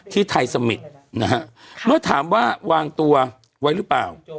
ที่ไทยสมิตรนะฮะเมื่อถามว่าวางตัวไว้หรือเปล่า